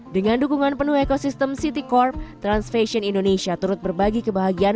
dengan dukungan penuh ekosistem city corp trans fashion indonesia turut berbagi kebahagiaan